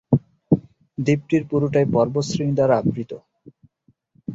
দ্বীপটির পুরোটাই পর্বত শ্রেণী দ্বারা আবৃত।